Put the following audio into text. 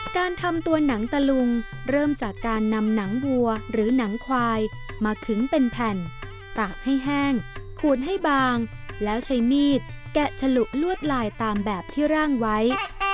การทำตัวหนังตะลุงเริ่มจากการนำหนังวัวหรือหนังควายมาขึงเป็นแผ่นตากให้แห้งขูดให้บางแล้วใช้มีดแกะฉลุลวดลายตามแบบที่ร่างไว้